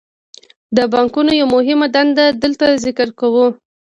د بانکونو یوه مهمه دنده دلته ذکر کوو